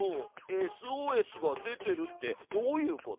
ＳＯＳが出てるってどういうこと？